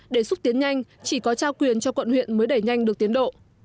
đề xuất tiến nhanh chỉ có trao quyền cho quận huyện mới đẩy nhanh được tiến độ